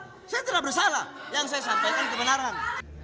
saya tidak bersalah yang saya sampaikan kebenaran